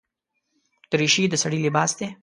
دریشي د سړي لباس دی.